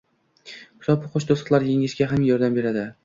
Kitob o‘qish to‘siqlarni yengishga ham yordam beradi.